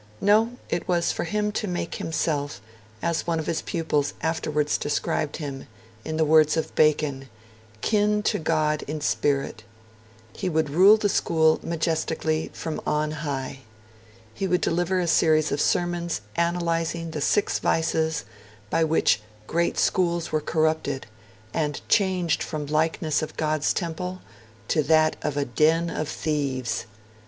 No, it was for him to make himself, as one of his pupils afterwards described him, in the words of Bacon, 'kin to God in spirit'; he would rule the school majestically from on high. He would deliver a series of sermons analysing 'the six vices' by which 'great schools were corrupted, and changed from the likeness of God's temple to that of a den of thieves'.